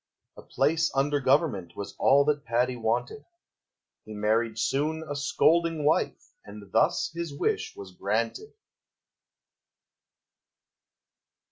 A place under Government Was all that Paddy wanted. He married soon a scolding wife, And thus his wish was granted.